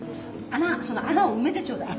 その穴を埋めてちょうだい。